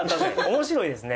面白いです